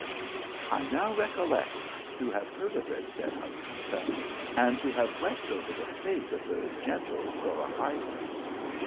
" I now recollect to have heard of it," said Jacinta " and to have wept over the fate of the gentle Zora hayda."